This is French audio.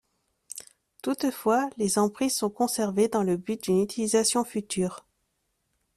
Toutefois, les emprises sont conservées dans le but d'une utilisation future.